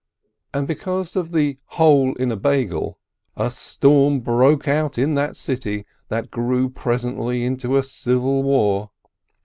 And because of the hole in a Beigel, a storm broke out in that city that grew presently into a civil war.